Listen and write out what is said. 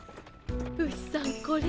ウシさんこれ。